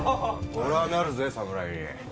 俺ぁなるぜ侍に。